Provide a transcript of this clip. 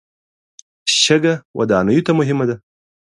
شګه ودانیو ته مهمه ده.